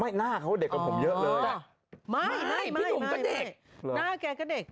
หน้าเขาเด็กกว่าผมเยอะเลยอ่ะไม่พี่หนุ่มก็เด็กหน้าแกก็เด็ก